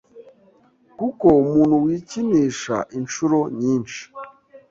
kuko umuntu wikinisha inshuro nyinshi